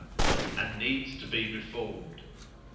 and needs to be reformed.